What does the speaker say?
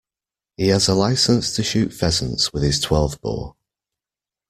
He has a licence to shoot pheasants with his twelve-bore